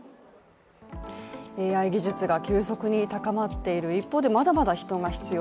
ＡＩ技術が急速に高まっている一方でまだまだ人が必要。